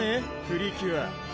プリキュア